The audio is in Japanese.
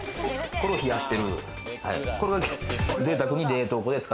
これを冷やしてる。